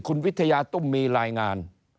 คุณวิทยาตุ้มมีรายงาน